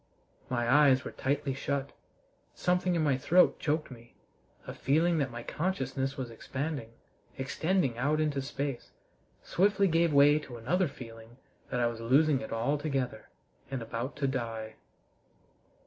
My eyes were tightly shut; something in my throat choked me; a feeling that my consciousness was expanding, extending out into space, swiftly gave way to another feeling that I was losing it altogether, and about to die.